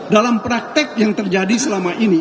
dalam praktek yang terjadi selama ini